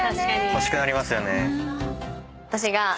欲しくなりますよね。